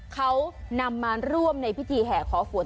เขานำมาร่วมในพิธีแห่ขอฝน